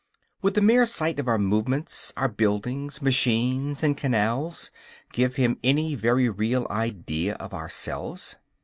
Would the mere sight of our movements, our buildings, machines and canals, give him any very real idea of ourselves?